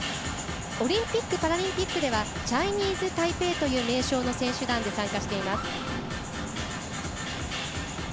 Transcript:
オリンピック・パラリンピックではチャイニーズタイペイという名称の選手団で参加しています。